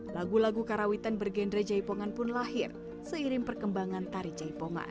lagu lagu karawitan bergenre jaipongan pun lahir seiring perkembangan tari jaipongan